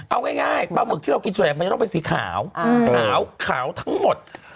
เอาง่ายปลาหมึกที่เรากินส่วนใหญ่มันจะต้องเป็นสีขาวขาวทั้งหมด